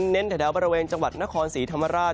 แถวบริเวณจังหวัดนครศรีธรรมราช